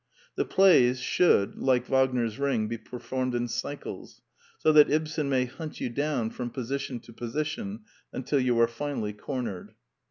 The plays should, like Wagner's Ring, be performed in cycles; so that Ibsen may hunt you down from position to position until you are finally cornered.